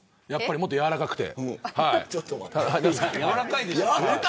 もっと、やわらかくて。